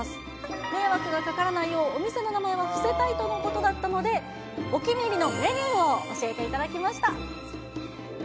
迷惑がかからないよう、お店の名前は伏せたいとのことだったので、お気に入りのメニューを教えていただきました。